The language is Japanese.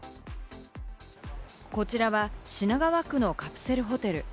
こちらは品川区のカプセルホテル。